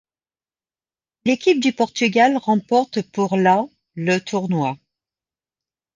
L'équipe du Portugal remporte pour la le tournoi.